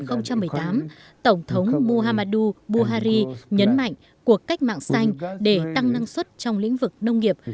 vào năm mới hai nghìn một mươi tám tổng thống muhammadu buhari nhấn mạnh cuộc cách mạng xanh để tăng năng suất trong lĩnh vực nông nghiệp